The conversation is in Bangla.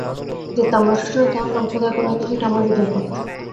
যে তাম্রশাসনে তাহার নাম খোদাই করা আছে সেটা আমার হৃদয়পট।